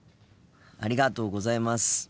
ありがとうございます。